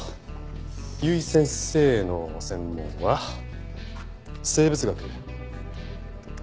由井先生の専門は生物学。